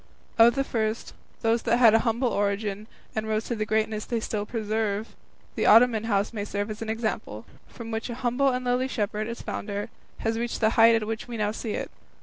Of the first, those that had an humble origin and rose to the greatness they still preserve, the Ottoman house may serve as an example, which from an humble and lowly shepherd, its founder, has reached the height at which we now see it.